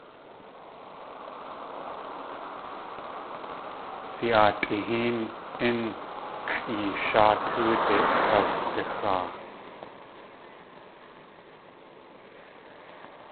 Si.áatʼi héen ín xʼeesháa tóode akawsixaa.